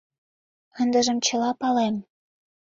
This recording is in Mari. Ындыжым чыла палем».